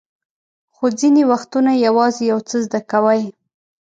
خو ځینې وختونه یوازې یو څه زده کوئ.